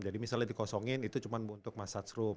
jadi misalnya dikosongin itu cuma untuk massage room